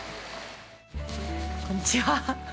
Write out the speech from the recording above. こんにちは。